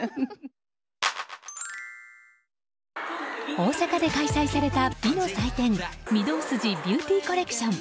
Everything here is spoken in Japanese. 大阪で開催された美の祭典御堂筋ビューティーコレクション。